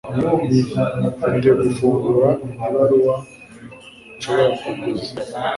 Ufite gufungura ibaruwa nshobora kuguza?